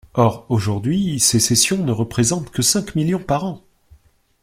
Or aujourd’hui, ces cessions ne représentent que cinq millions par an.